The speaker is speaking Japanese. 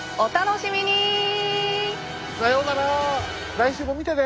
来週も見てね！